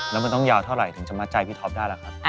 แล้วมันต้องยาวเท่าไหร่ถึงจะมัดใจพี่ท็อปได้ล่ะครับ